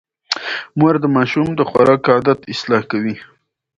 مور د ماشوم د خوراک عادت اصلاح کوي.